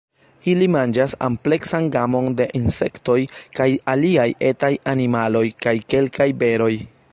Ili manĝas ampleksan gamon de insektoj kaj aliaj etaj animaloj kaj kelkaj beroj.